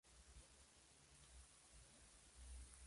Estaba liderada por Ethan Allen.